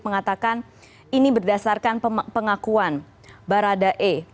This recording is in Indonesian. mengatakan ini berdasarkan pengakuan barada e